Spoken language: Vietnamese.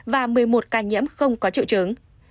và một mươi một ca nhiễm không có triệu chứng